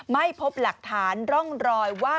ไม่พบหลักฐานร่องรอยว่า